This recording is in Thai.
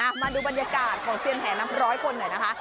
มาดูบรรยากาศของเซียนแห่นับร้อยคนหน่อยนะคะ